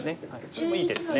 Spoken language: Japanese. それもいい手ですね。